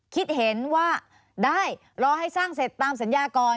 คิดเห็นว่าได้รอให้สร้างเสร็จตามสัญญาก่อน